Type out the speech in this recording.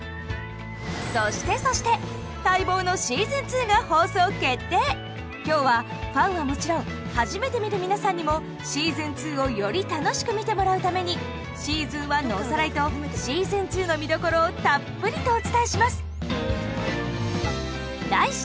そしてそして待望の今日はファンはもちろん初めて見る皆さんにも「しずん２」をより楽しく見てもらうために「しずん１」のおさらいと「しずん２」の見どころをたっぷりとお伝えします！